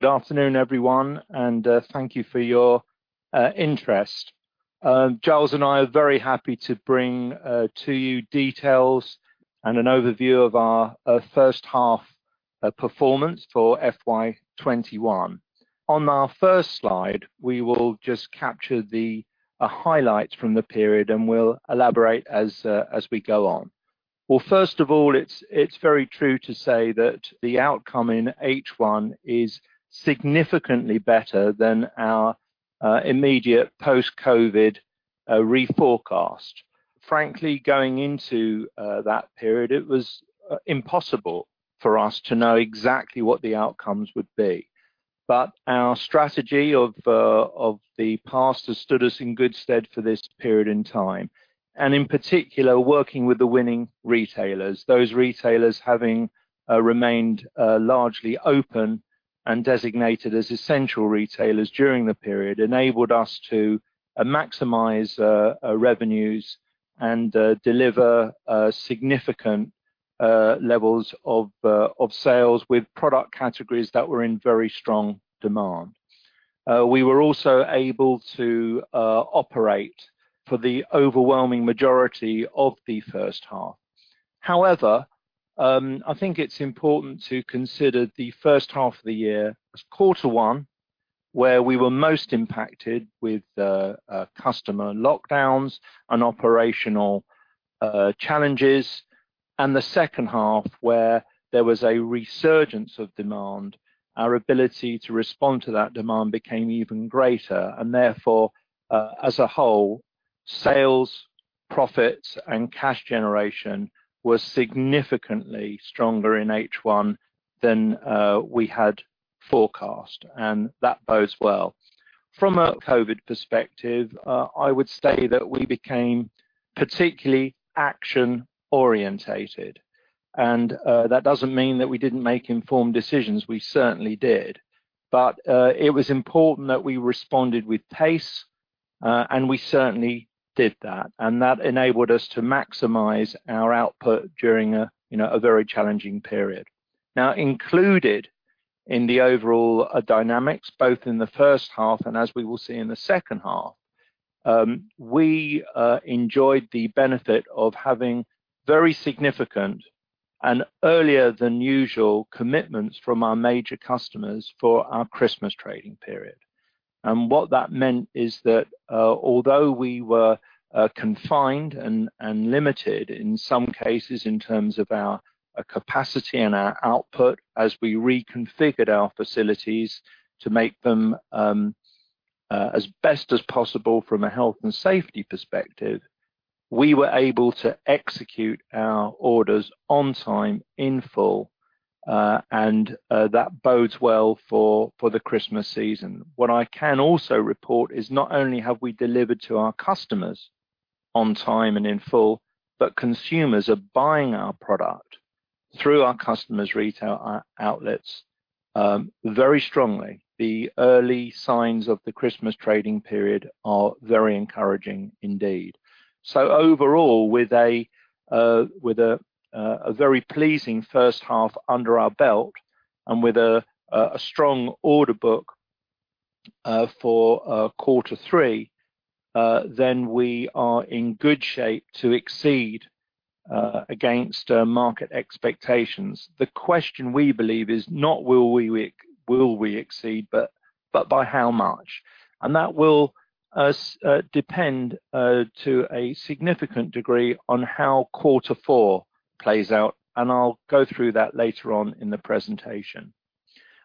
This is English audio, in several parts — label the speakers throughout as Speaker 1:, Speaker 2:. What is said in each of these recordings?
Speaker 1: Good afternoon, everyone, and thank you for your interest. Giles and I are very happy to bring to you details and an overview of our first half performance for FY 2021. On our first slide, we will just capture the highlights from the period, and we'll elaborate as we go on. Well, first of all, it's very true to say that the outcome in H1 is significantly better than our immediate post-COVID reforecast. Frankly, going into that period, it was impossible for us to know exactly what the outcomes would be. Our strategy of the past has stood us in good stead for this period in time. In particular, working with the winning retailers, those retailers having remained largely open and designated as essential retailers during the period, enabled us to maximize revenues and deliver significant levels of sales with product categories that were in very strong demand. We were also able to operate for the overwhelming majority of the first half. However, I think it's important to consider the first half of the year as quarter one, where we were most impacted with customer lockdowns and operational challenges, and the second half, where there was a resurgence of demand. Our ability to respond to that demand became even greater, and therefore, as a whole, sales, profits, and cash generation were significantly stronger in H1 than we had forecast, and that bodes well. From a COVID perspective, I would say that we became particularly action-orientated. That doesn't mean that we didn't make informed decisions. We certainly did. It was important that we responded with pace, and we certainly did that. That enabled us to maximize our output during a very challenging period. Included in the overall dynamics, both in the first half and as we will see in the second half, we enjoyed the benefit of having very significant and earlier than usual commitments from our major customers for our Christmas trading period. What that meant is that although we were confined and limited in some cases in terms of our capacity and our output as we reconfigured our facilities to make them as best as possible from a health and safety perspective, we were able to execute our orders on time in full, and that bodes well for the Christmas season. What I can also report is not only have we delivered to our customers on time and in full, consumers are buying our product through our customers' retail outlets very strongly. The early signs of the Christmas trading period are very encouraging indeed. Overall, with a very pleasing first half under our belt and with a strong order book for quarter three, we are in good shape to exceed against market expectations. The question we believe is not will we exceed, but by how much? That will depend to a significant degree on how quarter four plays out, I'll go through that later on in the presentation.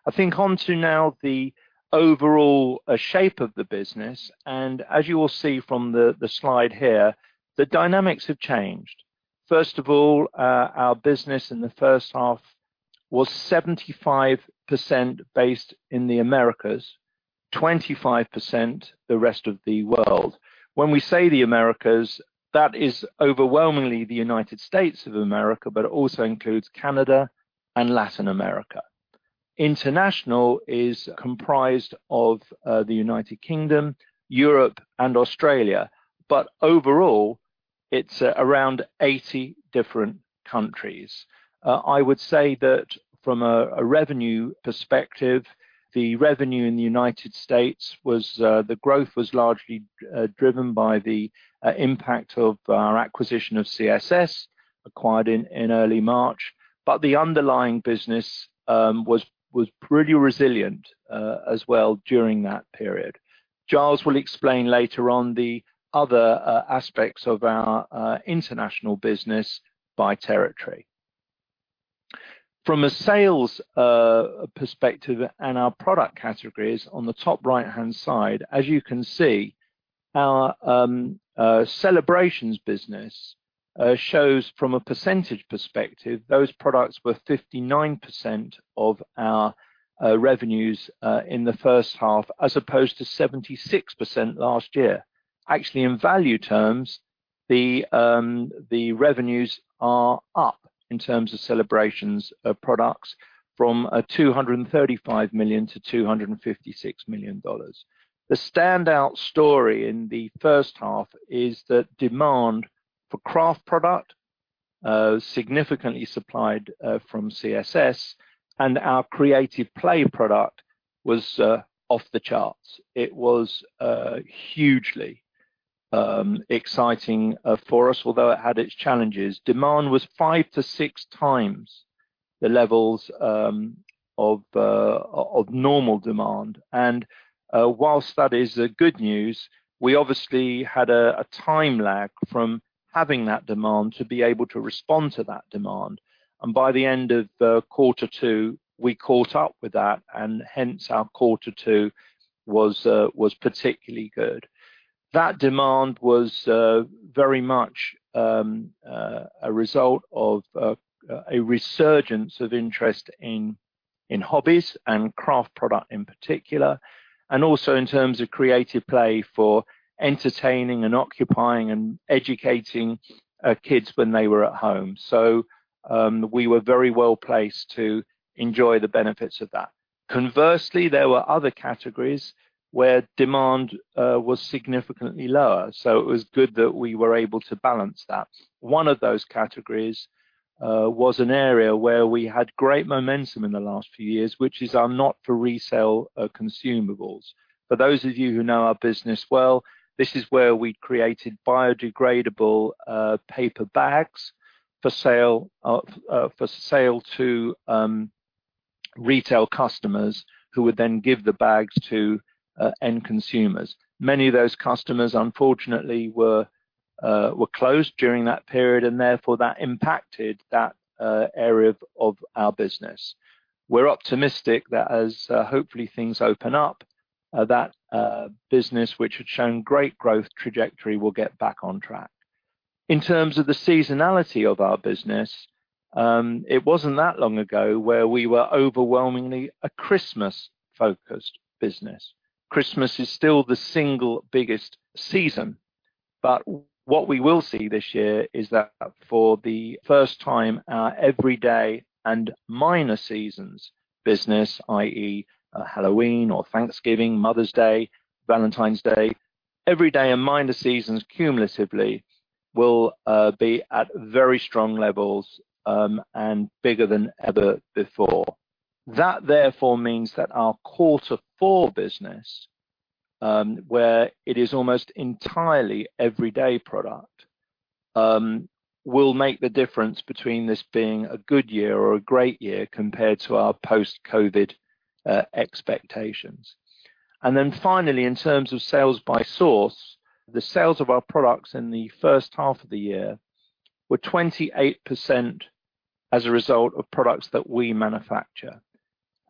Speaker 1: I think onto now the overall shape of the business. As you will see from the slide here, the dynamics have changed. First of all, our business in the first half was 75% based in the Americas, 25% the rest of the world. When we say the Americas, that is overwhelmingly the United States of America, it also includes Canada and Latin America. International is comprised of the United Kingdom, Europe, and Australia. Overall, it's around 80 different countries. I would say that from a revenue perspective, the revenue in the United States was the growth was largely driven by the impact of our acquisition of CSS, acquired in early March, but the underlying business was pretty resilient as well during that period. Giles will explain later on the other aspects of our international business by territory. From a sales perspective and our product categories on the top right-hand side, as you can see, our Celebrations business shows from a percentage perspective, those products were 59% of our revenues in the first half, as opposed to 76% last year. Actually, in value terms, the revenues are up in terms of Celebrations products from $235 million-$256 million. The standout story in the first half is that demand for Craft product, significantly supplied from CSS, and our Creative Play product was off the charts. It was hugely exciting for us, although it had its challenges. Demand was five to six times the levels of normal demand. Whilst that is good news, we obviously had a time lag from having that demand to be able to respond to that demand. By the end of quarter two, we caught up with that. Hence our quarter two was particularly good. That demand was very much a result of a resurgence of interest in hobbies and craft product in particular, and also in terms of Creative Play for entertaining and occupying and educating kids when they were at home. We were very well-placed to enjoy the benefits of that. Conversely, there were other categories where demand was significantly lower. It was good that we were able to balance that. One of those categories was an area where we had great momentum in the last few years, which is our not-for-resale consumables. For those of you who know our business well, this is where we created biodegradable paper bags for sale to retail customers who would then give the bags to end consumers. Many of those customers, unfortunately, were closed during that period and therefore that impacted that area of our business. We're optimistic that as hopefully things open up, that business which had shown great growth trajectory will get back on track. In terms of the seasonality of our business, it wasn't that long ago where we were overwhelmingly a Christmas-focused business. Christmas is still the single biggest season. What we will see this year is that for the first time, our everyday and minor seasons business, i.e., Halloween or Thanksgiving, Mother's Day, Valentine's Day, everyday and minor seasons cumulatively will be at very strong levels and bigger than ever before. That therefore means that our quarter four business, where it is almost entirely everyday product, will make the difference between this being a good year or a great year compared to our post-COVID expectations. Finally, in terms of sales by source, the sales of our products in the first half of the year were 28% as a result of products that we manufacture,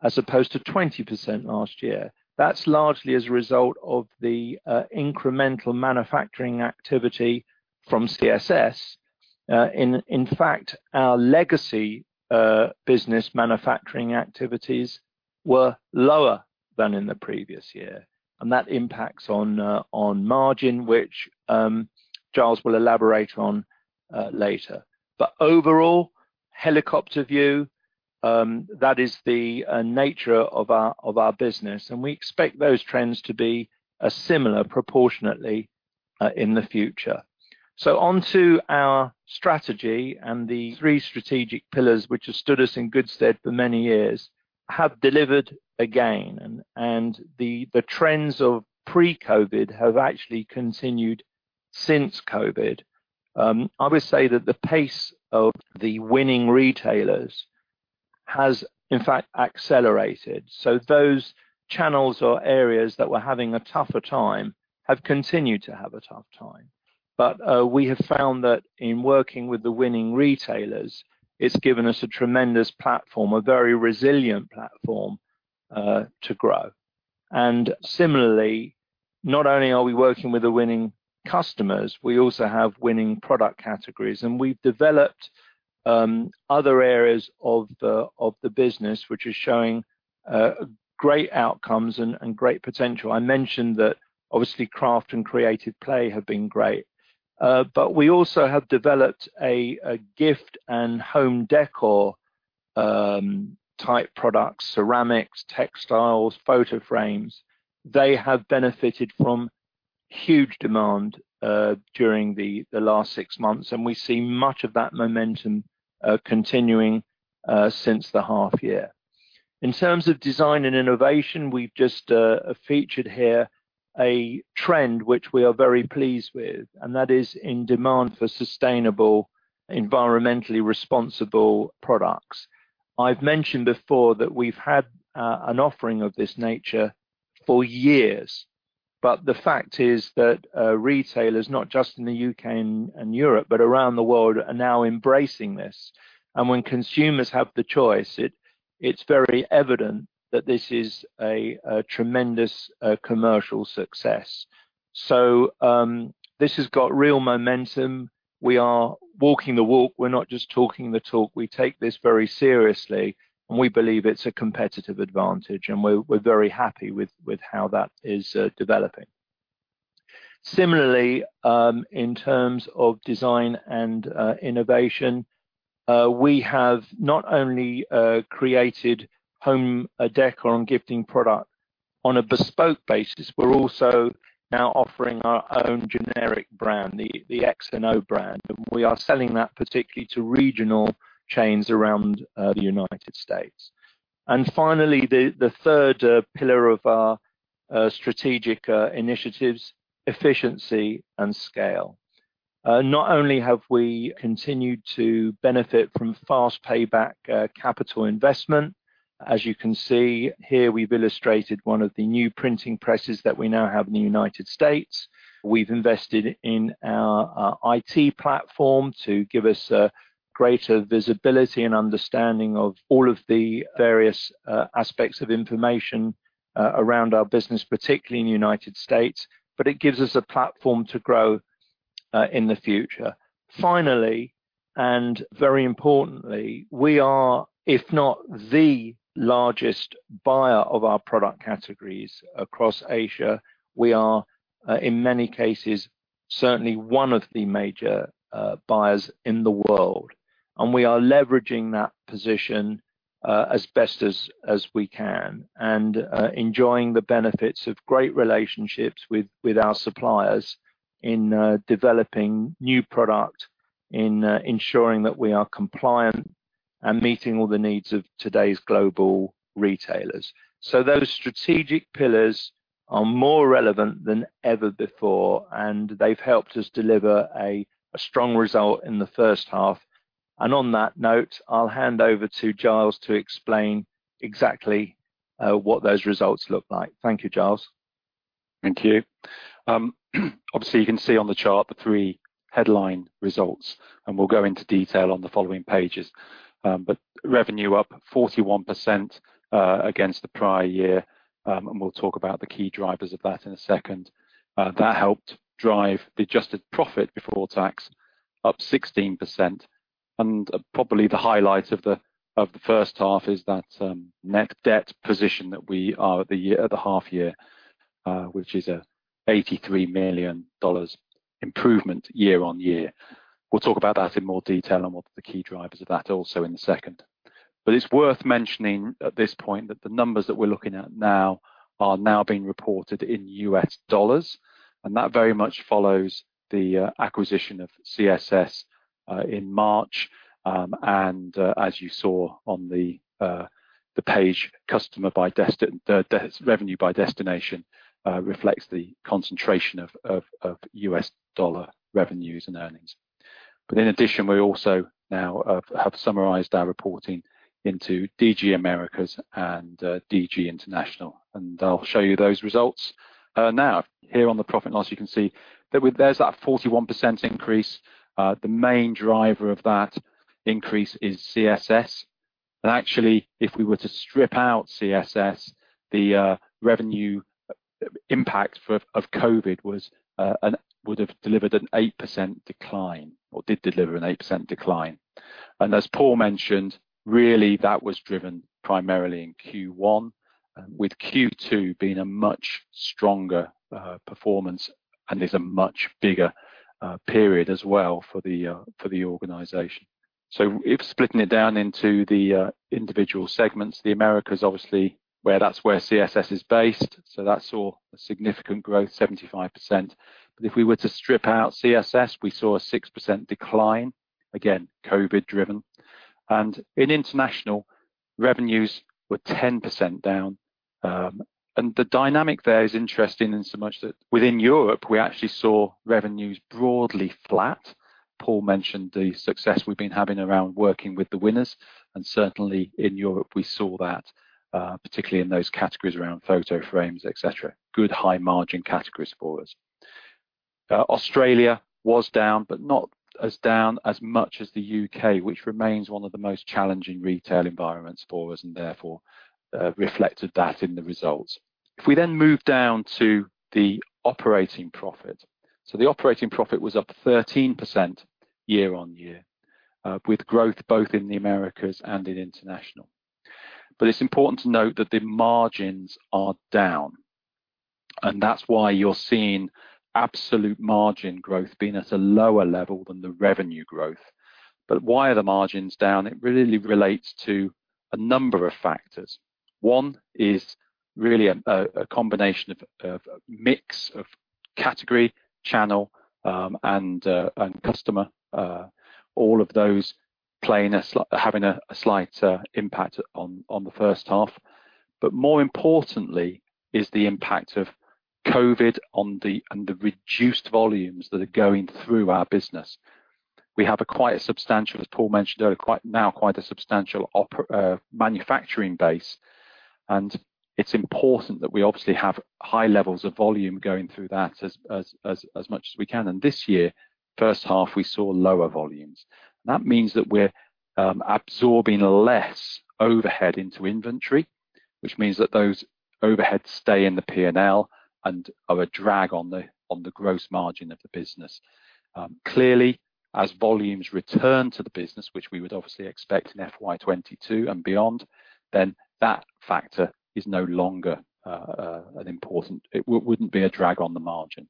Speaker 1: as opposed to 20% last year. That's largely as a result of the incremental manufacturing activity from CSS. Our legacy business manufacturing activities were lower than in the previous year, and that impacts on margin, which Giles will elaborate on later. Overall, helicopter view, that is the nature of our business, and we expect those trends to be similar proportionately in the future. On to our strategy and the three strategic pillars which have stood us in good stead for many years, have delivered again, and the trends of pre-COVID have actually continued since COVID. I would say that the pace of the winning retailers has in fact accelerated. Those channels or areas that were having a tougher time have continued to have a tough time. We have found that in working with the winning retailers, it's given us a tremendous platform, a very resilient platform to grow. Similarly, not only are we working with the winning customers, we also have winning product categories, and we've developed other areas of the business which is showing great outcomes and great potential. I mentioned that obviously Craft & Creative Play have been great, but we also have developed a gift and home decor-type products, ceramics, textiles, photo frames. They have benefited from huge demand during the last six months, and we see much of that momentum continuing since the half year. In terms of design and innovation, we've just featured here a trend which we are very pleased with, and that is in demand for sustainable, environmentally responsible products. I've mentioned before that we've had an offering of this nature for years, but the fact is that retailers, not just in the U.K. and Europe, but around the world, are now embracing this. When consumers have the choice, it's very evident that this is a tremendous commercial success. This has got real momentum. We are walking the walk, we're not just talking the talk. We take this very seriously, and we believe it's a competitive advantage, and we're very happy with how that is developing. Similarly, in terms of design and innovation. We have not only created home decor and gifting product on a bespoke basis, we're also now offering our own generic brand, the X&O brand. We are selling that particularly to regional chains around the U.S. Finally, the third pillar of our strategic initiatives, efficiency and scale. Not only have we continued to benefit from fast payback capital investment, as you can see here, we've illustrated one of the new printing presses that we now have in the U.S. We've invested in our IT platform to give us greater visibility and understanding of all of the various aspects of information around our business, particularly in the U.S., but it gives us a platform to grow in the future. Finally, and very importantly, we are, if not the largest buyer of our product categories across Asia. We are, in many cases, certainly one of the major buyers in the world, and we are leveraging that position as best as we can and enjoying the benefits of great relationships with our suppliers in developing new product, in ensuring that we are compliant and meeting all the needs of today's global retailers. Those strategic pillars are more relevant than ever before, and they've helped us deliver a strong result in the first half. On that note, I'll hand over to Giles to explain exactly what those results look like. Thank you, Giles.
Speaker 2: Thank you. Obviously, you can see on the chart the three headline results, and we'll go into detail on the following pages. Revenue up 41% against the prior year, and we'll talk about the key drivers of that in a second. That helped drive the adjusted profit before tax up 16%. Probably the highlight of the first half is that net debt position that we are at the half year, which is a $83 million improvement year-on-year. We'll talk about that in more detail and what the key drivers of that also in a second. It's worth mentioning at this point that the numbers that we're looking at now are now being reported in US dollars, and that very much follows the acquisition of CSS in March. As you saw on the page, revenue by destination reflects the concentration of US dollar revenues and earnings. In addition, we also now have summarized our reporting into DG Americas and DG International, and I'll show you those results now. Here on the profit and loss, you can see that there's that 41% increase. The main driver of that increase is CSS. Actually, if we were to strip out CSS, the revenue impact of COVID would have delivered an 8% decline or did deliver an 8% decline. As Paul mentioned, really that was driven primarily in Q1, with Q2 being a much stronger performance and is a much bigger period as well for the organization. If splitting it down into the individual segments, the Americas, obviously, that's where CSS is based, so that saw a significant growth, 75%. If we were to strip out CSS, we saw a 6% decline, again, COVID driven. In international, revenues were 10% down. The dynamic there is interesting in so much that within Europe, we actually saw revenues broadly flat. Paul mentioned the success we've been having around working with the winners. Certainly in Europe, we saw that, particularly in those categories around photo frames, et cetera. Good high margin categories for us. Australia was down, but not as down as much as the U.K., which remains one of the most challenging retail environments for us and therefore reflected that in the results. If we move down to the operating profit. The operating profit was up 13% year-on-year with growth both in the Americas and in international. It's important to note that the margins are down, and that's why you're seeing absolute margin growth being at a lower level than the revenue growth. Why are the margins down? It really relates to a number of factors. One is really a combination of a mix of category, channel, and customer, all of those having a slight impact on the first half. More importantly is the impact of COVID on the reduced volumes that are going through our business. We have a quite substantial, as Paul mentioned earlier, now quite a substantial manufacturing base, and it's important that we obviously have high levels of volume going through that as much as we can. This year, first half, we saw lower volumes. That means that we're absorbing less overhead into inventory, which means that those overheads stay in the P&L and are a drag on the gross margin of the business. Clearly, as volumes return to the business, which we would obviously expect in FY22 and beyond, It wouldn't be a drag on the margin.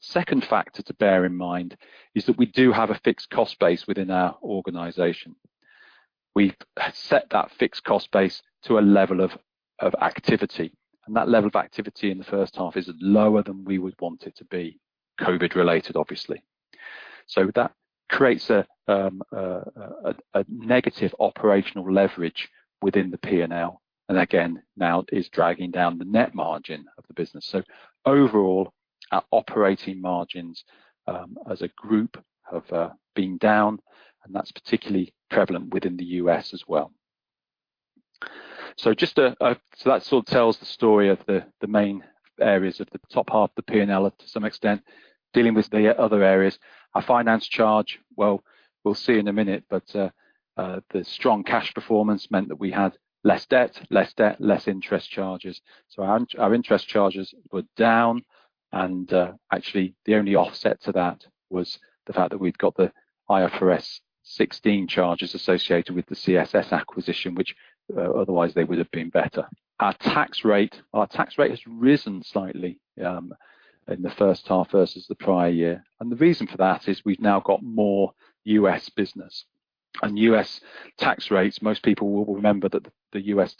Speaker 2: Second factor to bear in mind is that we do have a fixed cost base within our organization. We've set that fixed cost base to a level of activity, that level of activity in the first half is lower than we would want it to be. COVID related, obviously. That creates a negative operational leverage within the P&L, again now it is dragging down the net margin of the business. Overall, our operating margins as a group have been down, and that's particularly prevalent within the U.S. as well. That sort of tells the story of the main areas of the top half of the P&L to some extent. Dealing with the other areas. Our finance charge, well, we'll see in a minute, but the strong cash performance meant that we had less debt. Less debt, less interest charges. Our interest charges were down, and actually the only offset to that was the fact that we'd got the IFRS 16 charges associated with the CSS acquisition, which otherwise they would have been better. Our tax rate has risen slightly in the first half versus the prior year. The reason for that is we've now got more U.S. business. U.S. tax rates, most people will remember that the U.S.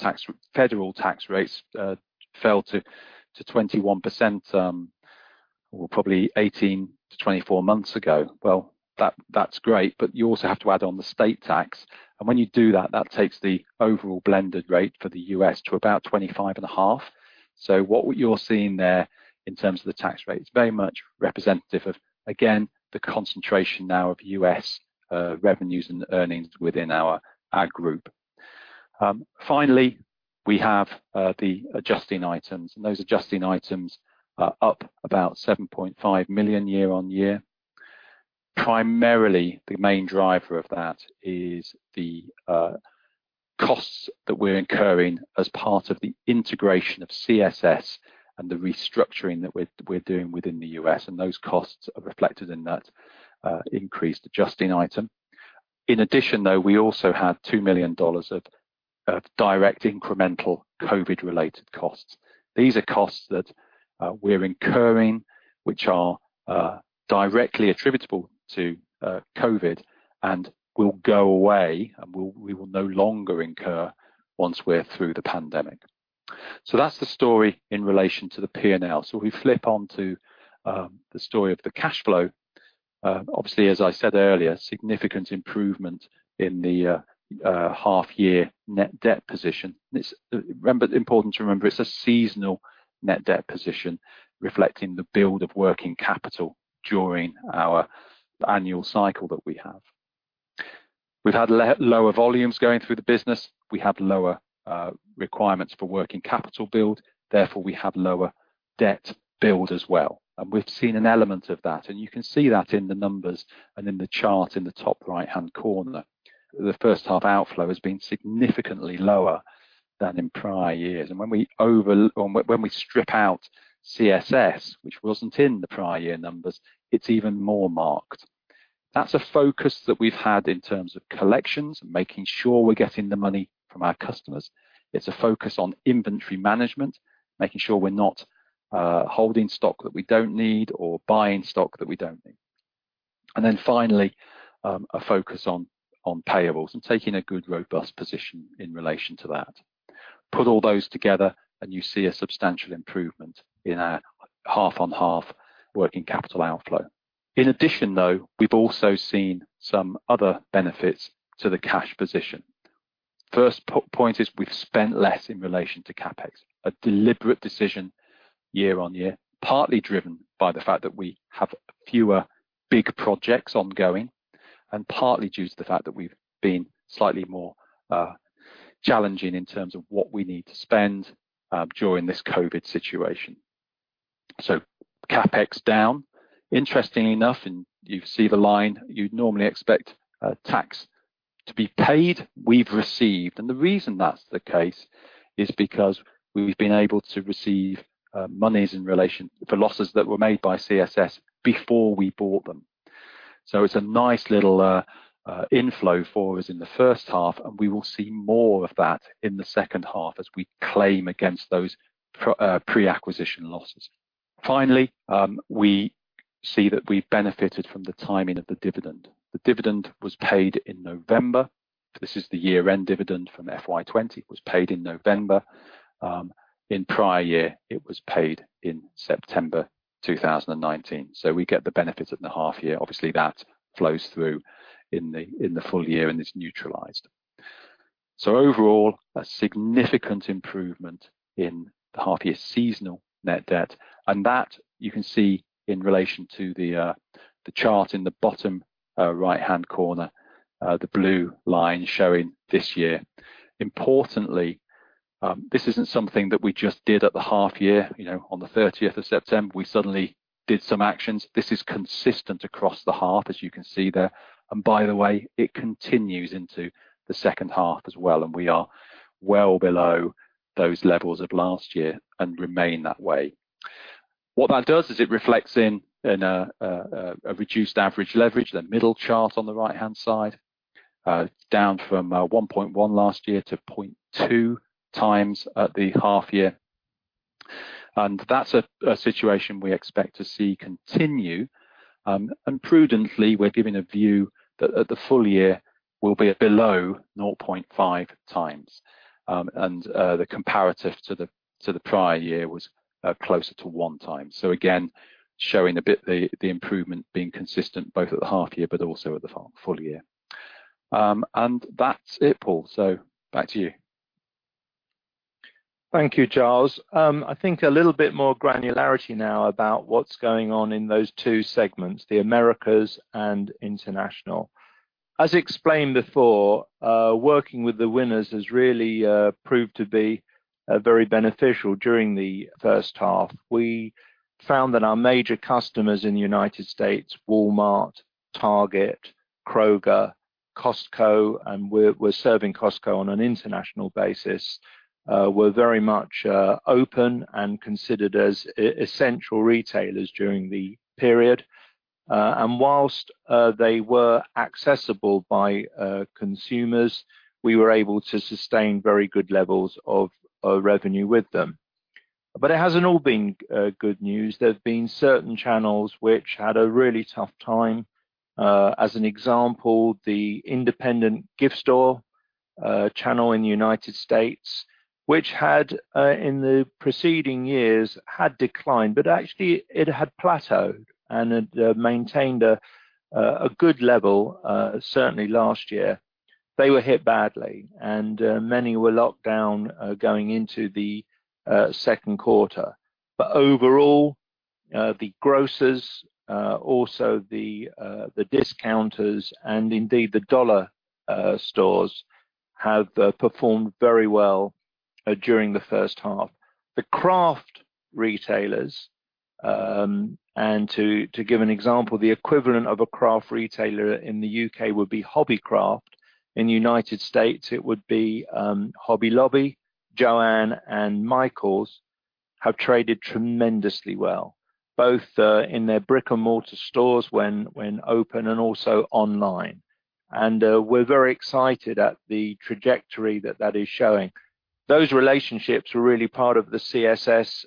Speaker 2: federal tax rates fell to 21%, probably 18-24 months ago. That's great, you also have to add on the state tax, and when you do that takes the overall blended rate for the U.S. to about 25.5%. What you're seeing there in terms of the tax rate is very much representative of, again, the concentration now of U.S. revenues and earnings within our Group. Finally, we have the adjusting items, those adjusting items are up about $7.5 million year-on-year. Primarily, the main driver of that is the costs that we're incurring as part of the integration of CSS and the restructuring that we're doing within the U.S., those costs are reflected in that increased adjusting item. In addition, though, we also have $2 million of direct incremental COVID-related costs. These are costs that we're incurring, which are directly attributable to COVID and will go away, and we will no longer incur once we're through the pandemic. That's the story in relation to the P&L. We flip onto the story of the cash flow. Obviously, as I said earlier, significant improvement in the half-year net debt position. It's important to remember it's a seasonal net debt position reflecting the build of working capital during our annual cycle that we have. We've had lower volumes going through the business. We have lower requirements for working capital build, therefore we have lower debt build as well. We've seen an element of that. You can see that in the numbers and in the chart in the top right-hand corner. The first half outflow has been significantly lower than in prior years. When we strip out CSS, which wasn't in the prior year numbers, it's even more marked. That's a focus that we've had in terms of collections and making sure we're getting the money from our customers. It's a focus on inventory management, making sure we're not holding stock that we don't need or buying stock that we don't need. Finally, a focus on payables and taking a good, robust position in relation to that. Put all those together, you see a substantial improvement in our half-on-half working capital outflow. In addition, though, we've also seen some other benefits to the cash position. First point is, we've spent less in relation to CapEx. A deliberate decision year-on-year, partly driven by the fact that we have fewer big projects ongoing, and partly due to the fact that we've been slightly more challenging in terms of what we need to spend during this COVID situation. CapEx down. Interestingly enough, you see the line, you'd normally expect tax to be paid, we've received. The reason that's the case is because we've been able to receive monies in relation for losses that were made by CSS before we bought them. It's a nice little inflow for us in the first half, and we will see more of that in the second half as we claim against those pre-acquisition losses. We see that we've benefited from the timing of the dividend. The dividend was paid in November. This is the year-end dividend from FY20. It was paid in November. In prior year, it was paid in September 2019. We get the benefit in the half year. Obviously, that flows through in the full year and is neutralized. Overall, a significant improvement in the half year seasonal net debt, and that you can see in relation to the chart in the bottom right-hand corner, the blue line showing this year. Importantly, this isn't something that we just did at the half year. On the 30th of September, we suddenly did some actions. This is consistent across the half, as you can see there. By the way, it continues into the second half as well, and we are well below those levels of last year and remain that way. What that does is it reflects in a reduced average leverage, that middle chart on the right-hand side. Down from 1.1 last year to 0.2 times at the half year. That's a situation we expect to see continue. Prudently, we're giving a view that the full year will be at below 0.5 times. The comparative to the prior year was closer to one time. Again, showing a bit the improvement being consistent both at the half year but also at the full year. That's it, Paul, back to you.
Speaker 1: Thank you, Giles. I think a little bit more granularity now about what's going on in those two segments, the Americas and International. As explained before, working with the winners has really proved to be very beneficial during the first half. We found that our major customers in the U.S., Walmart, Target, Kroger, Costco, and we're serving Costco on an international basis, were very much open and considered as essential retailers during the period. Whilst they were accessible by consumers, we were able to sustain very good levels of revenue with them. It hasn't all been good news. There have been certain channels which had a really tough time. As an example, the independent gift store channel in the U.S., which had in the preceding years had declined, but actually it had plateaued and had maintained a good level, certainly last year. They were hit badly and many were locked down going into the second quarter. Overall, the grocers, also the discounters, and indeed the dollar stores have performed very well during the first half. The craft retailers, and to give an example, the equivalent of a craft retailer in the U.K. would be Hobbycraft. In the U.S., it would be Hobby Lobby, JOANN, and Michaels have traded tremendously well, both in their brick-and-mortar stores when open and also online. We're very excited at the trajectory that that is showing. Those relationships were really part of the CSS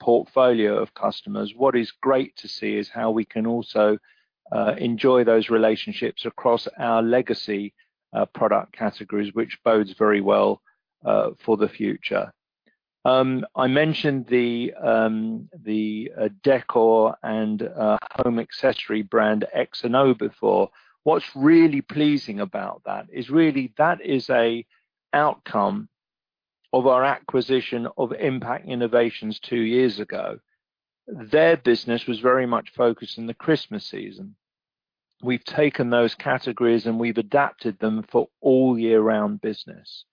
Speaker 1: portfolio of customers. What is great to see is how we can also enjoy those relationships across our legacy product categories, which bodes very well for the future. I mentioned the decor and home accessory brand X&O before. What's really pleasing about that is really that is a outcome of our acquisition of Impact Innovations two years ago. Their business was very much focused on the Christmas season. We've taken those categories, and we've adapted them for all year-round business.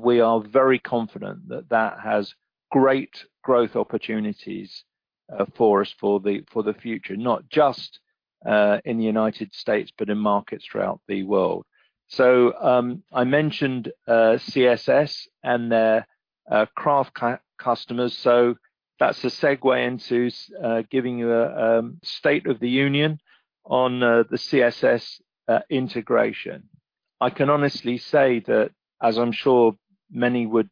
Speaker 1: We are very confident that that has great growth opportunities for us for the future, not just in the United States, but in markets throughout the world. I mentioned CSS and their craft customers. That's a segue into giving you a state of the union on the CSS integration. I can honestly say that as I'm sure many would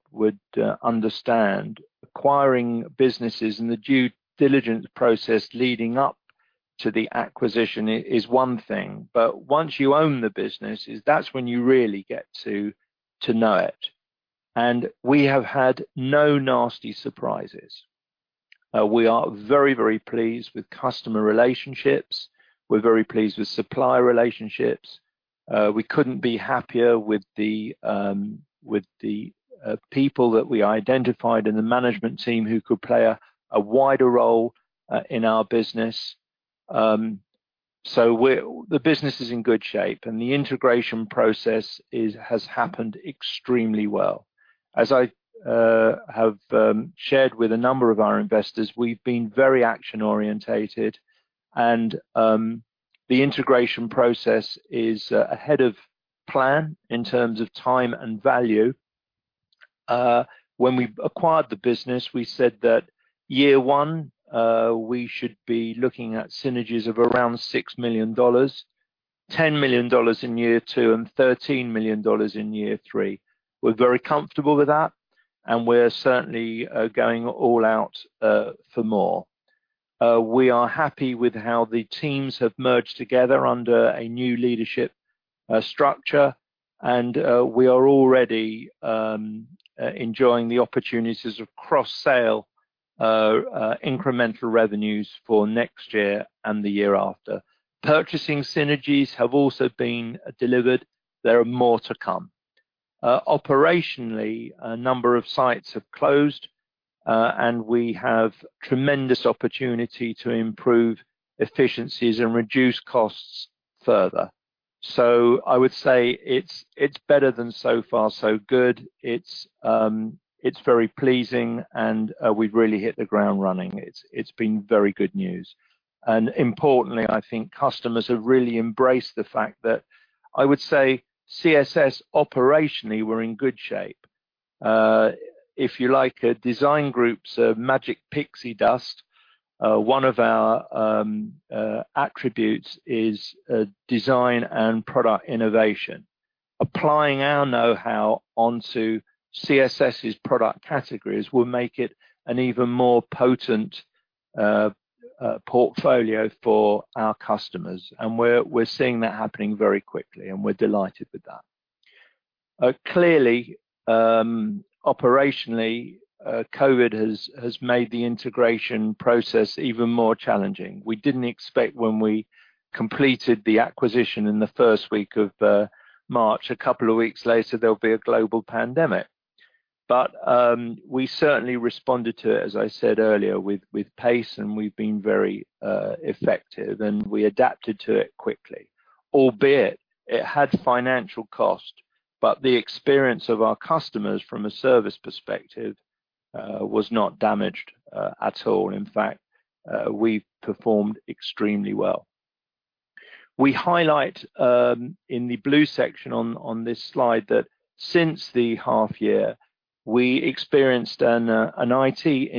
Speaker 1: understand, acquiring businesses and the due diligence process leading up to the acquisition is one thing. Once you own the business, that's when you really get to know it. We have had no nasty surprises. We are very, very pleased with customer relationships. We're very pleased with supplier relationships. We couldn't be happier with the people that we identified in the management team who could play a wider role in our business. The business is in good shape, and the integration process has happened extremely well. As I have shared with a number of our investors, we've been very action-orientated, and the integration process is ahead of plan in terms of time and value. When we acquired the business, we said that year one, we should be looking at synergies of around $6 million, $10 million in year two, and $13 million in year three. We're very comfortable with that, and we're certainly going all out for more. We are happy with how the teams have merged together under a new leadership structure, and we are already enjoying the opportunities of cross-sale incremental revenues for next year and the year after. Purchasing synergies have also been delivered. There are more to come. Operationally, a number of sites have closed, and we have tremendous opportunity to improve efficiencies and reduce costs further. I would say it's better than so far so good. It's very pleasing, and we've really hit the ground running. It's been very good news. Importantly, I think customers have really embraced the fact that I would say CSS operationally were in good shape. If you like, Design Group's magic pixie dust. One of our attributes is design and product innovation. Applying our know-how onto CSS's product categories will make it an even more potent portfolio for our customers. We're seeing that happening very quickly, and we're delighted with that. Clearly, operationally, COVID has made the integration process even more challenging. We didn't expect when we completed the acquisition in the first week of March, a couple of weeks later there'll be a global pandemic. We certainly responded to it, as I said earlier, with pace and we've been very effective, and we adapted to it quickly. Albeit it had financial cost, but the experience of our customers from a service perspective was not damaged at all. In fact, we performed extremely well. We highlight in the blue section on this slide that since the half year, we experienced an IT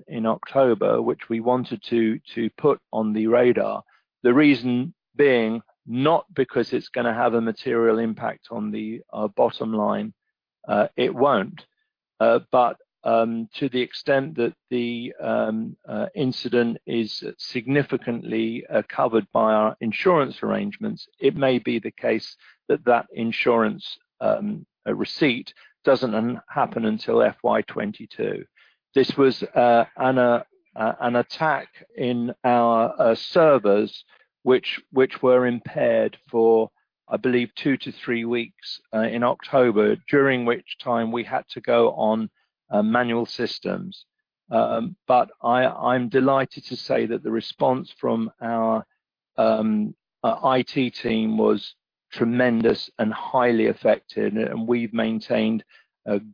Speaker 1: incident in October, which we wanted to put on the radar. The reason being, not because it's going to have a material impact on the bottom line. It won't. To the extent that the incident is significantly covered by our insurance arrangements, it may be the case that that insurance receipt doesn't happen until FY 2022. This was an attack in our servers which were impaired for, I believe, two to three weeks in October, during which time we had to go on manual systems. I'm delighted to say that the response from our IT team was tremendous and highly effective, and we've maintained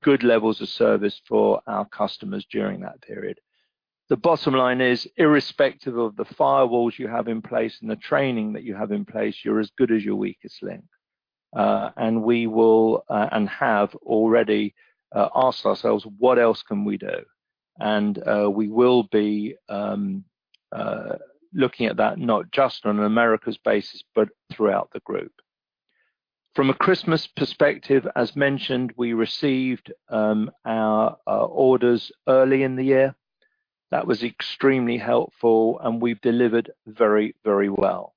Speaker 1: good levels of service for our customers during that period. The bottom line is, irrespective of the firewalls you have in place and the training that you have in place, you're as good as your weakest link. We will, and have already, asked ourselves what else can we do? We will be looking at that not just on an Americas basis, but throughout the group. From a Christmas perspective, as mentioned, we received our orders early in the year. That was extremely helpful and we've delivered very, very well.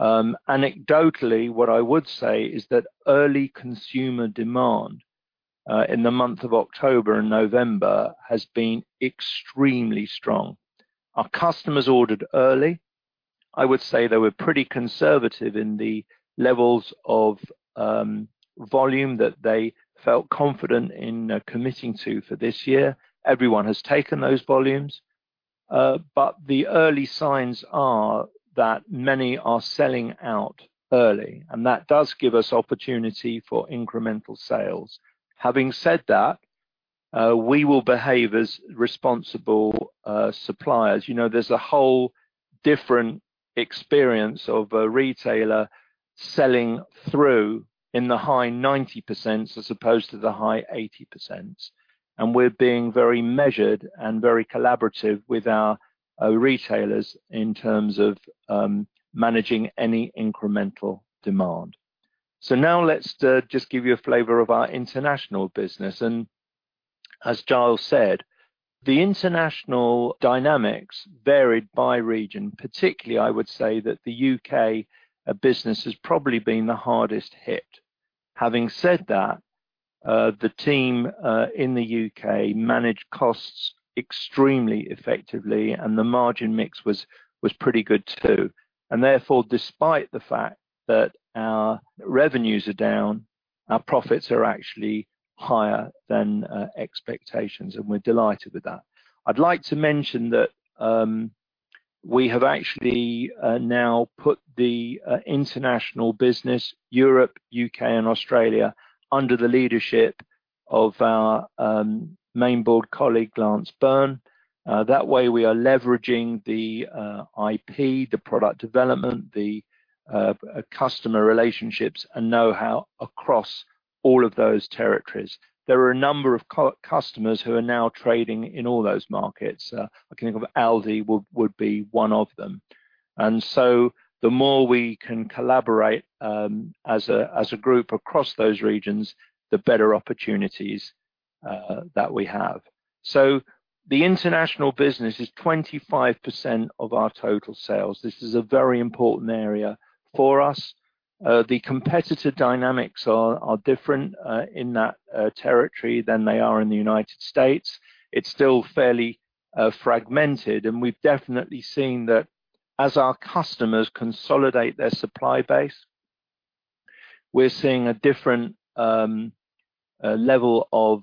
Speaker 1: Anecdotally, what I would say is that early consumer demand in the month of October and November has been extremely strong. Our customers ordered early. I would say they were pretty conservative in the levels of volume that they felt confident in committing to for this year. Everyone has taken those volumes. The early signs are that many are selling out early, and that does give us opportunity for incremental sales. Having said that, we will behave as responsible suppliers. There's a whole different experience of a retailer selling through in the high 90% as opposed to the high 80%. We're being very measured and very collaborative with our retailers in terms of managing any incremental demand. Now let's just give you a flavor of our international business. As Giles said, the international dynamics varied by region. Particularly, I would say that the U.K. business has probably been the hardest hit. Having said that, the team in the U.K. managed costs extremely effectively, and the margin mix was pretty good, too. Therefore, despite the fact that our revenues are down, our profits are actually higher than expectations, and we're delighted with that. I'd like to mention that we have actually now put the international business, Europe, U.K., and Australia, under the leadership of our main board colleague, Lance Burn. That way we are leveraging the IP, the product development, the customer relationships and know-how across all of those territories. There are a number of customers who are now trading in all those markets. I can think of Aldi would be one of them. So the more we can collaborate as a group across those regions, the better opportunities that we have. The international business is 25% of our total sales. This is a very important area for us. The competitor dynamics are different in that territory than they are in the U.S. It's still fairly fragmented, and we've definitely seen that as our customers consolidate their supply base, we're seeing a different level of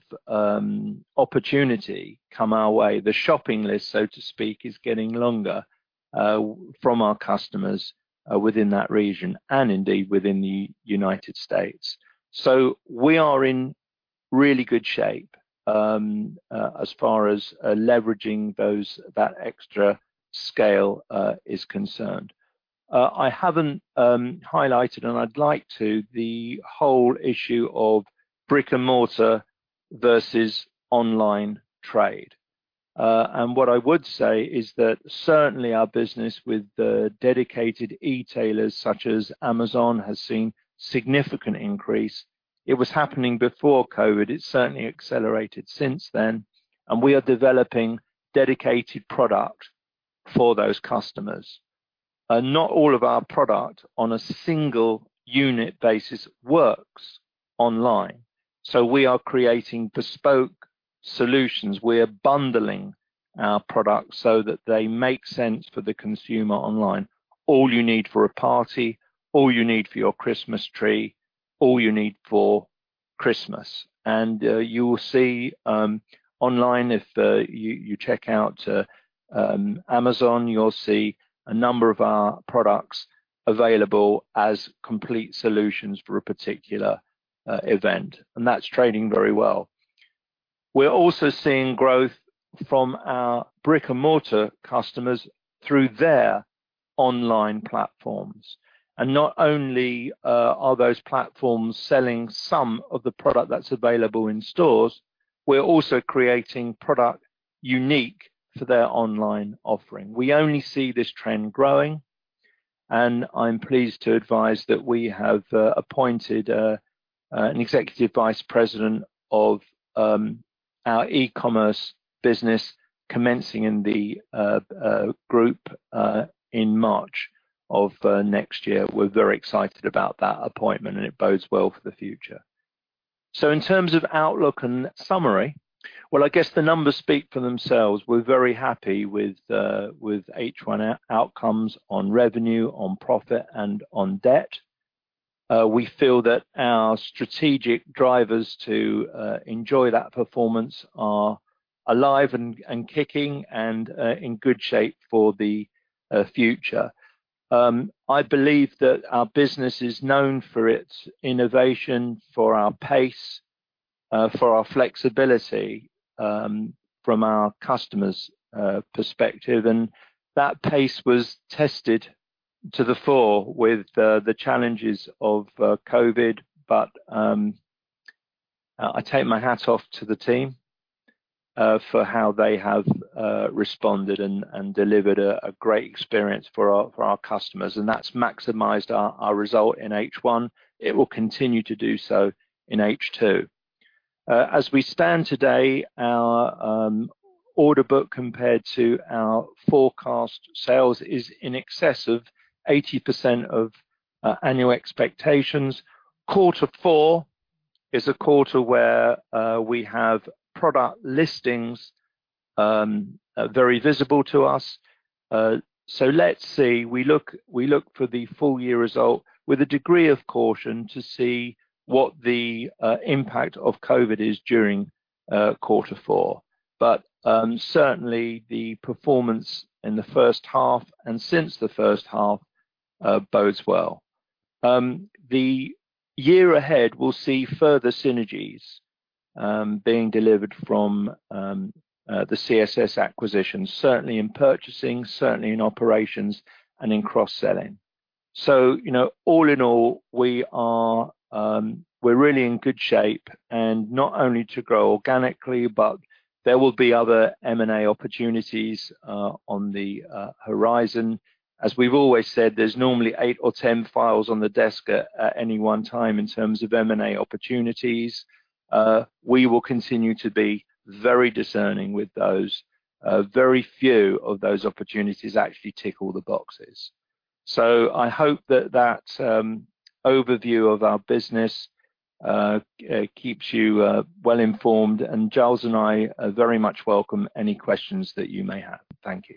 Speaker 1: opportunity come our way. The shopping list, so to speak, is getting longer from our customers within that region and indeed within the U.S. We are in really good shape as far as leveraging that extra scale is concerned. I haven't highlighted, and I'd like to, the whole issue of brick-and-mortar versus online trade. What I would say is that certainly our business with the dedicated e-tailers such as Amazon has seen significant increase. It was happening before COVID, it's certainly accelerated since then, and we are developing dedicated product for those customers. Not all of our product on a single unit basis works online. We are creating bespoke solutions. We are bundling our products so that they make sense for the consumer online. All you need for a party, all you need for your Christmas tree, all you need for Christmas. You will see online, if you check out Amazon, you'll see a number of our products available as complete solutions for a particular event, and that's trading very well. We're also seeing growth from our brick-and-mortar customers through their online platforms. Not only are those platforms selling some of the product that's available in stores, we're also creating product unique for their online offering. We only see this trend growing, and I'm pleased to advise that we have appointed an Executive Vice President of our e-commerce business, commencing in the group in March of next year. We're very excited about that appointment, it bodes well for the future. In terms of outlook and summary, well, I guess the numbers speak for themselves. We're very happy with H1 outcomes on revenue, on profit, and on debt. We feel that our strategic drivers to enjoy that performance are alive and kicking and in good shape for the future. I believe that our business is known for its innovation, for our pace, for our flexibility from our customers' perspective, and that pace was tested to the fore with the challenges of COVID. I take my hat off to the team for how they have responded and delivered a great experience for our customers, and that's maximized our result in H1. It will continue to do so in H2. As we stand today, our order book, compared to our forecast sales, is in excess of 80% of annual expectations. Quarter four is a quarter where we have product listings very visible to us. Let's see. We look for the full year result with the degree of caution to see what the impact of COVID is during quarter four. Certainly, the performance in the first half and since the first half bodes well. The year ahead will see further synergies being delivered from the CSS acquisition, certainly in purchasing, certainly in operations, and in cross-selling. All in all, we're really in good shape, and not only to grow organically, but there will be other M&A opportunities on the horizon. As we've always said, there's normally eight or 10 files on the desk at any one time in terms of M&A opportunities. We will continue to be very discerning with those. Very few of those opportunities actually tick all the boxes. I hope that that overview of our business keeps you well-informed, and Giles and I very much welcome any questions that you may have. Thank you.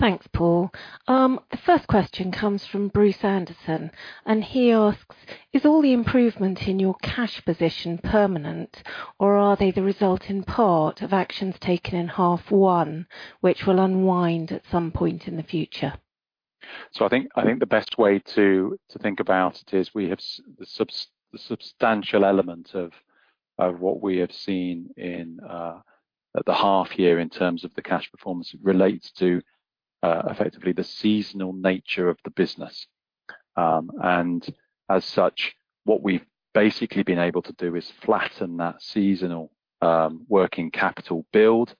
Speaker 3: Thanks, Paul. The first question comes from Bruce Anderson, and he asks, "Is all the improvement in your cash position permanent, or are they the result in part of actions taken in half one which will unwind at some point in the future?
Speaker 2: I think the best way to think about it is we have the substantial element of what we have seen in the half year in terms of the cash performance relates to effectively the seasonal nature of the business. As such, what we've basically been able to do is flatten that seasonal working capital build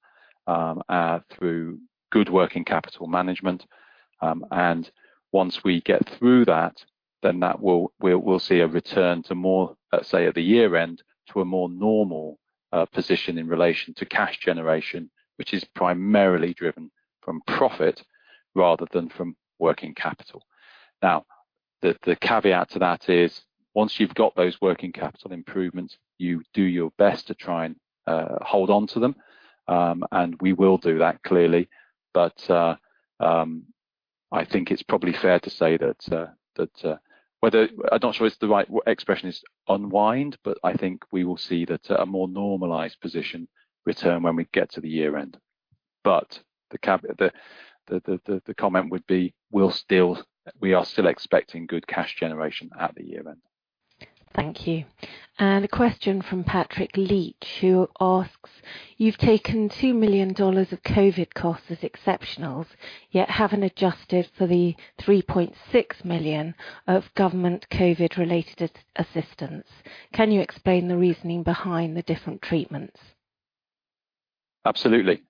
Speaker 2: through good working capital management. Once we get through that, then we'll see a return to more, let's say at the year-end, to a more normal position in relation to cash generation, which is primarily driven from profit rather than from working capital. The caveat to that is once you've got those working capital improvements, you do your best to try and hold onto them, and we will do that, clearly. I think it's probably fair to say that I'm not sure if the right expression is unwind, but I think we will see that a more normalized position return when we get to the year end. The comment would be, we are still expecting good cash generation at the year end.
Speaker 3: Thank you. A question from Patrick Leach, who asks, "You've taken $2 million of COVID costs as exceptionals, yet haven't adjusted for the $3.6 million of government COVID-related assistance. Can you explain the reasoning behind the different treatments?
Speaker 2: Absolutely.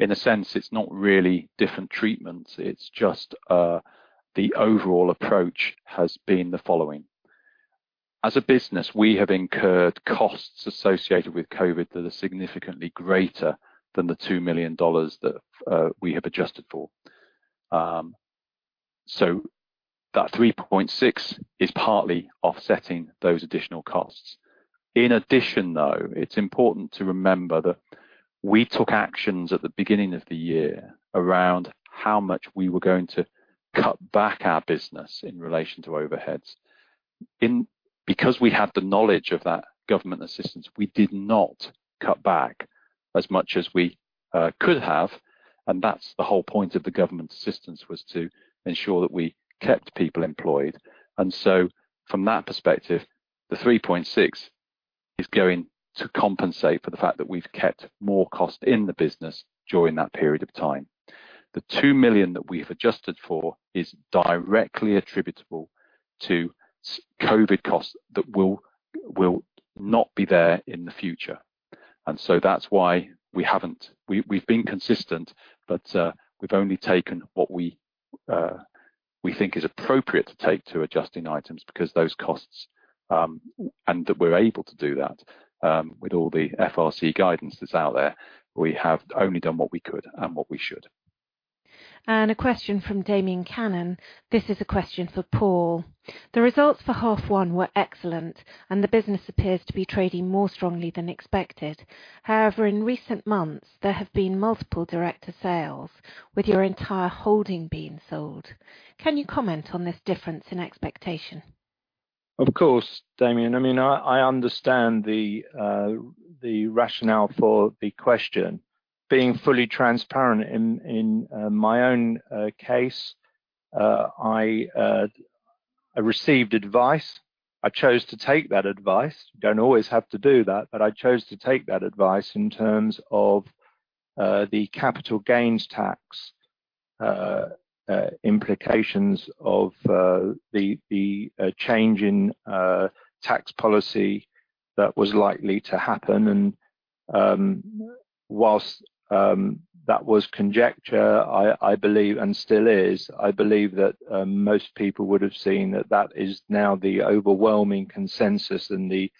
Speaker 2: In a sense, it's not really different treatments, it's just the overall approach has been the following. As a business, we have incurred costs associated with COVID that are significantly greater than the $2 million that we have adjusted for. That $3.6 is partly offsetting those additional costs. In addition, though, it's important to remember that we took actions at the beginning of the year around how much we were going to cut back our business in relation to overheads. Because we have the knowledge of that government assistance, we did not cut back as much as we could have, and that's the whole point of the government assistance, was to ensure that we kept people employed. From that perspective, the $3.6 is going to compensate for the fact that we've kept more cost in the business during that period of time. The $2 million that we've adjusted for is directly attributable to COVID costs that will not be there in the future. That's why we've been consistent, but we've only taken what we think is appropriate to take to adjusting items because those costs, and that we're able to do that with all the FRC guidance that's out there. We have only done what we could and what we should.
Speaker 3: A question from Damian Cannon. This is a question for Paul. The results for half one were excellent, and the business appears to be trading more strongly than expected. However, in recent months, there have been multiple director sales, with your entire holding being sold. Can you comment on this difference in expectation?
Speaker 1: Of course, Damian. I understand the rationale for the question. Being fully transparent in my own case, I received advice. I chose to take that advice. Don't always have to do that, but I chose to take that advice in terms of the capital gains tax implications of the change in tax policy that was likely to happen. Whilst that was conjecture, I believe, and still is, I believe that most people would have seen that that is now the overwhelming consensus and the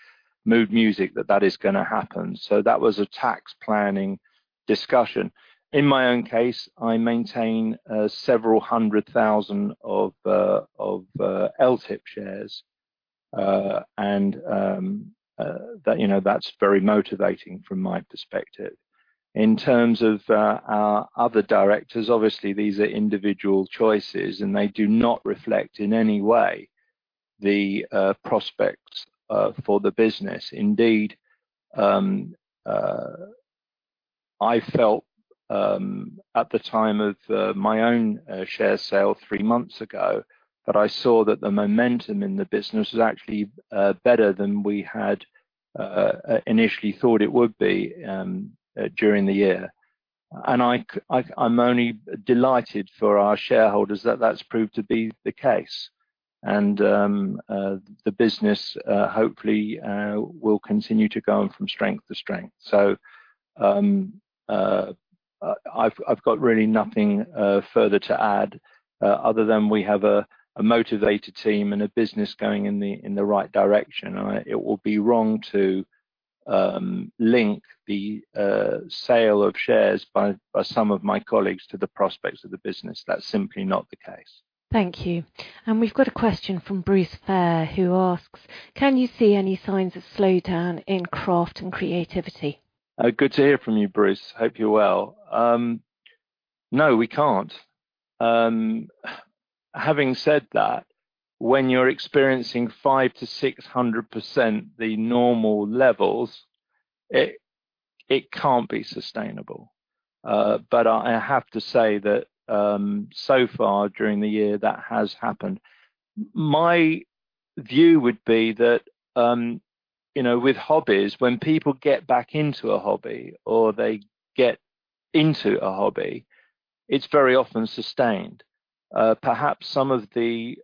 Speaker 1: mood music that that is going to happen. That was a tax planning discussion. In my own case, I maintain several hundred thousand of LTIP shares, and that's very motivating from my perspective. In terms of our other directors, obviously these are individual choices, and they do not reflect in any way the prospects for the business. Indeed, I felt at the time of my own share sale three months ago, that I saw that the momentum in the business was actually better than we had initially thought it would be during the year. I'm only delighted for our shareholders that that's proved to be the case. The business hopefully will continue to go on from strength to strength. I've got really nothing further to add other than we have a motivated team and a business going in the right direction, and it would be wrong to link the sale of shares by some of my colleagues to the prospects of the business. That's simply not the case.
Speaker 3: Thank you. We've got a question from Bruce Fair, who asks, "Can you see any signs of slowdown in craft and creativity?
Speaker 1: Good to hear from you, Bruce. Hope you're well. We can't. Having said that, when you're experiencing 5%-600% the normal levels, it can't be sustainable. I have to say that so far during the year, that has happened. My view would be that with hobbies, when people get back into a hobby or they get into a hobby, it's very often sustained. Perhaps some of the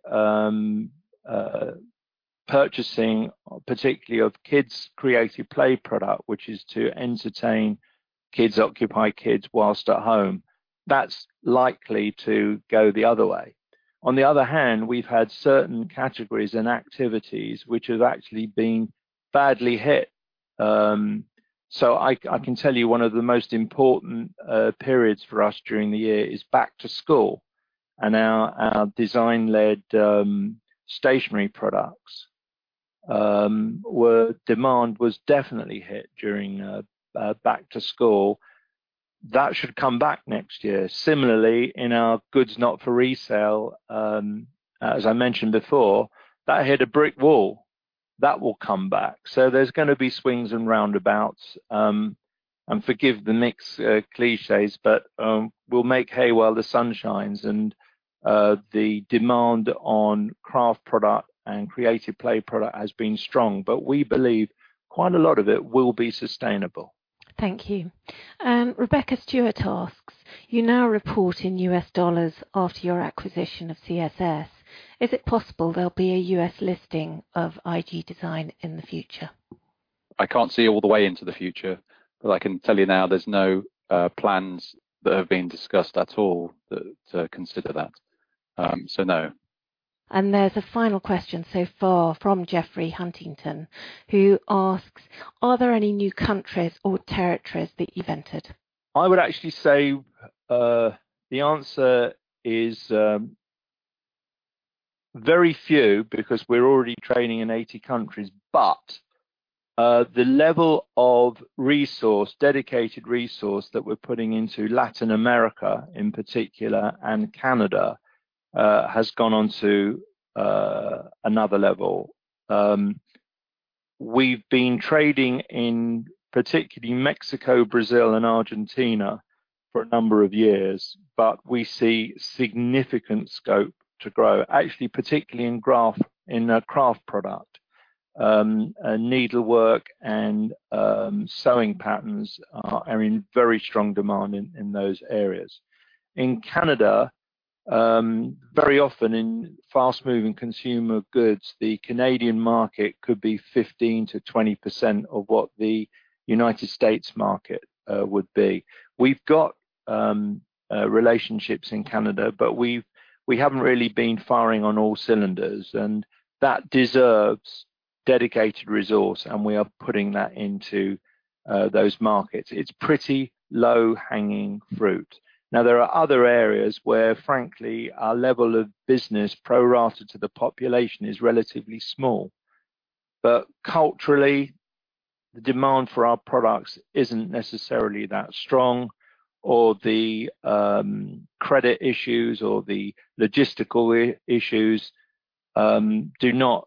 Speaker 1: purchasing, particularly of kids' creative play product, which is to entertain kids, occupy kids whilst at home, that's likely to go the other way. On the other hand, we've had certain categories and activities which have actually been badly hit. I can tell you one of the most important periods for us during the year is back to school, and our design-led stationery products, where demand was definitely hit during back to school. That should come back next year. Similarly, in our goods not for resale, as I mentioned before, that hit a brick wall. That will come back. There's going to be swings and roundabouts. Forgive the mixed cliches, but we'll make hay while the sun shines. The demand on craft product and creative play product has been strong, but we believe quite a lot of it will be sustainable.
Speaker 3: Thank you. Rebecca Stewart asks, "You now report in US dollars after your acquisition of CSS. Is it possible there'll be a U.S. listing of IG Design in the future?
Speaker 2: I can't see all the way into the future, but I can tell you now there's no plans that have been discussed at all to consider that. No.
Speaker 3: There's a final question so far from Jeffrey Huntington, who asks, "Are there any new countries or territories that you've entered?
Speaker 1: I would actually say the answer is very few, because we're already trading in 80 countries. The level of dedicated resource that we're putting into Latin America in particular and Canada has gone on to another level. We've been trading in particularly Mexico, Brazil, and Argentina for a number of years, but we see significant scope to grow, actually, particularly in craft product. Needlework and sewing patterns are in very strong demand in those areas. In Canada, very often in fast-moving consumer goods, the Canadian market could be 15%-20% of what the United States market would be. We've got relationships in Canada, but we haven't really been firing on all cylinders, and that deserves dedicated resource, and we are putting that into those markets. It's pretty low-hanging fruit. There are other areas where, frankly, our level of business, pro rata to the population, is relatively small. Culturally, the demand for our products isn't necessarily that strong, or the credit issues or the logistical issues do not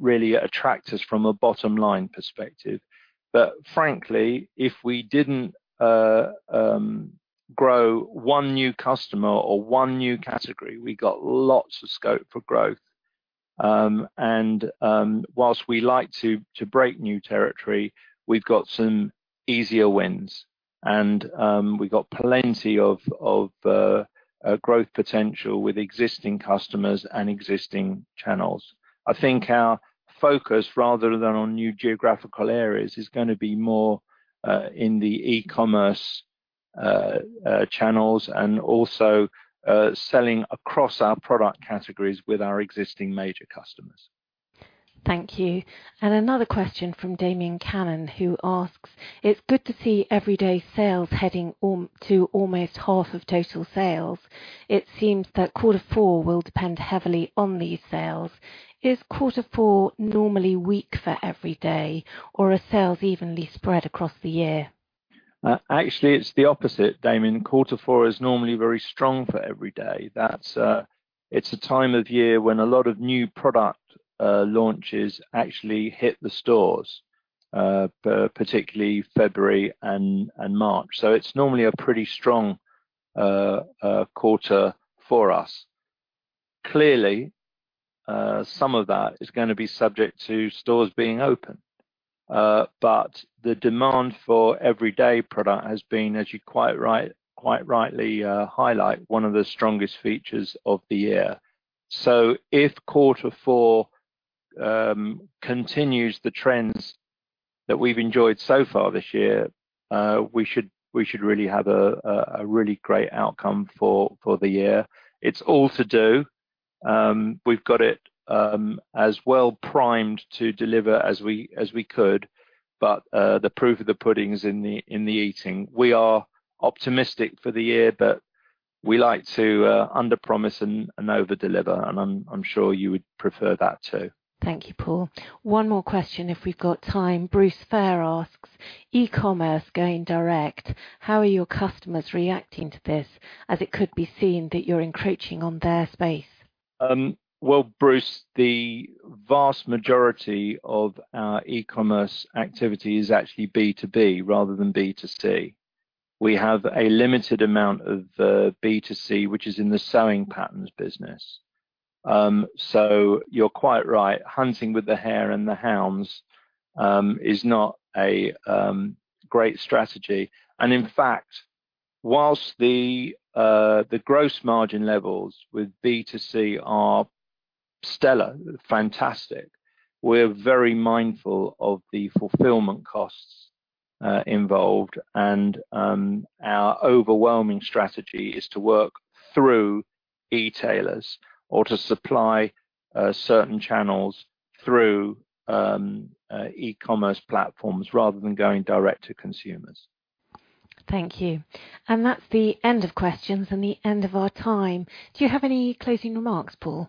Speaker 1: really attract us from a bottom-line perspective. Frankly, if we didn't grow one new customer or one new category, we got lots of scope for growth. Whilst we like to break new territory, we've got some easier wins, and we've got plenty of growth potential with existing customers and existing channels. I think our focus, rather than on new geographical areas, is going to be more in the e-commerce channels and also selling across our product categories with our existing major customers.
Speaker 3: Thank you. Another question from Damian Cannon, who asks, "It's good to see Everyday sales heading to almost half of total sales. It seems that quarter four will depend heavily on these sales. Is quarter four normally weak for Everyday, or are sales evenly spread across the year?
Speaker 1: Actually, it's the opposite, Damian. Quarter four is normally very strong for Everyday. It's a time of year when a lot of new product launches actually hit the stores, particularly February and March. It's normally a pretty strong quarter for us. Clearly, some of that is going to be subject to stores being open. The demand for Everyday product has been, as you quite rightly highlight, one of the strongest features of the year. If quarter four continues the trends that we've enjoyed so far this year, we should really have a really great outcome for the year. It's all to do. We've got it as well primed to deliver as we could, but the proof of the pudding is in the eating. We are optimistic for the year, but we like to underpromise and overdeliver, and I'm sure you would prefer that, too.
Speaker 3: Thank you, Paul. One more question, if we've got time. Bruce Fair asks, "E-commerce going direct. How are your customers reacting to this as it could be seen that you're encroaching on their space?
Speaker 1: Well, Bruce, the vast majority of our e-commerce activity is actually B2B rather than B2C. We have a limited amount of B2C, which is in the sewing patterns business. You're quite right, hunting with the hare and the hounds is not a great strategy. In fact, whilst the gross margin levels with B2C are stellar, fantastic, we're very mindful of the fulfillment costs involved and our overwhelming strategy is to work through e-tailers or to supply certain channels through e-commerce platforms rather than going direct to consumers.
Speaker 3: Thank you. That's the end of questions and the end of our time. Do you have any closing remarks, Paul?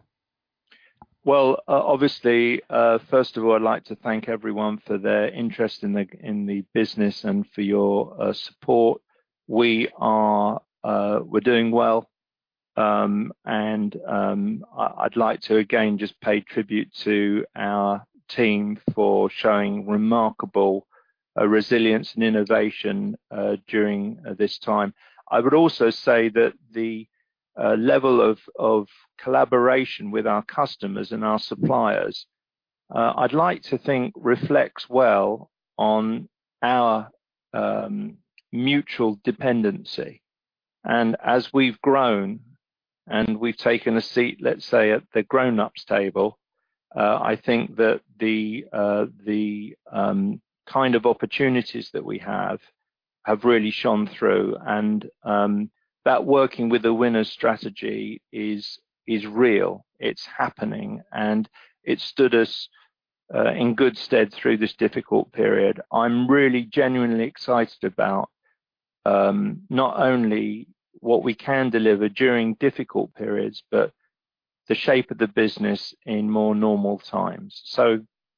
Speaker 1: Well, obviously, first of all, I'd like to thank everyone for their interest in the business and for your support. We are doing well, and I'd like to, again, just pay tribute to our team for showing remarkable resilience and innovation during this time. I would also say that the level of collaboration with our customers and our suppliers, I'd like to think reflects well on our mutual dependency. As we've grown and we've taken a seat, let's say, at the grown-ups table, I think that the kind of opportunities that we have really shone through. That working with a winner strategy is real. It's happening, and it stood us in good stead through this difficult period. I'm really genuinely excited about not only what we can deliver during difficult periods, but the shape of the business in more normal times.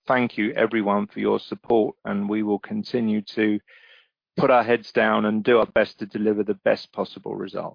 Speaker 1: Thank you, everyone, for your support, and we will continue to put our heads down and do our best to deliver the best possible result.